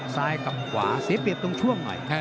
ซ้ายกับขวาเซฟเปียบตรงช่วงน่ะ